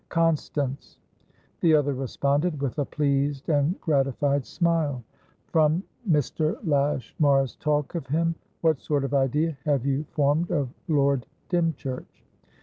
"Constance" The other responded with a pleased and gratified smile. "From Mr. Lashmar's talk of him, what sort of idea have you formed of Lord Dymchurch?"